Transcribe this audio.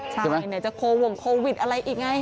ใช่จะโควิดอะไรอีกไง